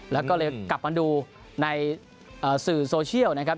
แล้วก็เลยกลับมาดูในสื่อโซเชียลนะครับ